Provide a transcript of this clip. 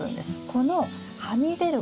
このはみ出る